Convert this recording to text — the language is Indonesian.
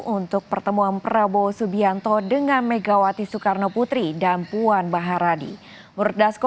untuk pertemuan prabowo subianto dengan megawati soekarno putri dan puan maharadi